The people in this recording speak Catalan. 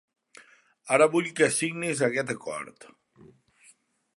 Ara vull que signis aquest acord.